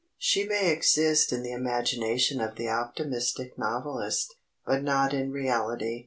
She may exist in the imagination of the optimistic novelist,—but not in reality.